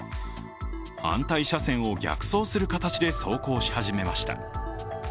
反対車線を逆走する形で走行し始めました。